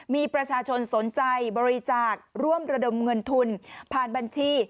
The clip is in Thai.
มีประชาชนสนใจบริจาคร่วมระดมเงินทุนผ่านบัญชี